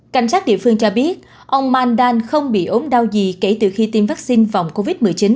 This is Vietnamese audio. cảnh sát địa phương cho biết ông mandan không bị ốm đau gì kể từ khi tiêm vaccine phòng covid một mươi chín